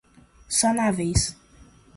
sanáveis